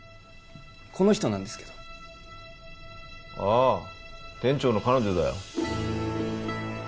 この人なんですけどああ店長の彼女だよ